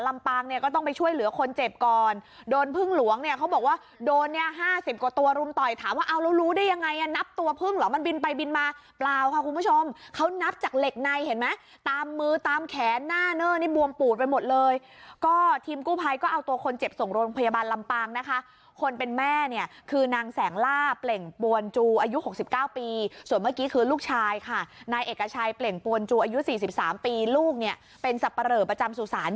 ลำปางเนี้ยก็ต้องไปช่วยเหลือคนเจ็บก่อนโดนพึ่งหลวงเนี้ยเขาบอกว่าโดนเนี้ยห้าสิบกว่าตัวรุมต่อยถามว่าเอาแล้วรู้ได้ยังไงอะนับตัวพึ่งเหรอมันบินไปบินมาเปล่าค่ะคุณผู้ชมเขานับจากเหล็กในเห็นไหมตามมือตามแขนหน้าเนอะนี่บวมปูดไปหมดเลยก็ทีมกู้ภัยก็เอาตัวคนเจ็บส่งโรงพยาบาลลํ